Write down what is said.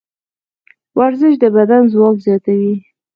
ورزش د بدن ځواک زیاتوي.